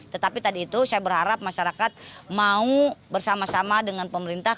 tetapi tadi itu saya berharap masyarakat mau bersama sama dengan pemerintah